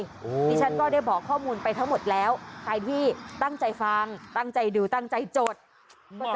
ที่ฉันก็ได้บอกข้อมูลไปทั้งหมดแล้วใครที่ตั้งใจฟังตั้งใจดูตั้งใจจด